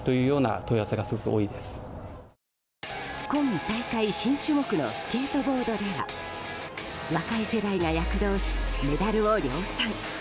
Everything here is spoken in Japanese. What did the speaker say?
今大会新種目のスケートボードでは若い世代が躍動しメダルを量産。